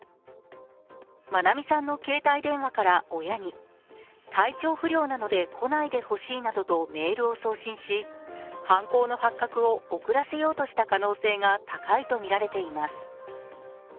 愛美さんの携帯電話から親に、体調不良なので来ないでほしいなどとメールを送信し、犯行の発覚を遅らせようとした可能性が高いと見ています。